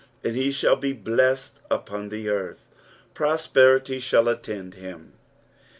"And it i&aS be bla*td upon the tarth.''' Prosperity shall attend him.